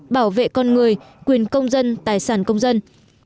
bảo vệ con người quyền công dân tài sản công dân